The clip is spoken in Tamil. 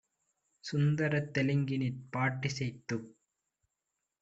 சுந்தரத் தெலுங்கினிற் பாட்டிசைத்துத்